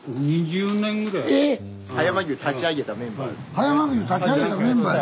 葉山牛立ち上げたメンバーや。